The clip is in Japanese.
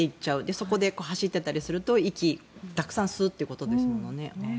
そこで走っていたりすると息をたくさん吸うということですもんね。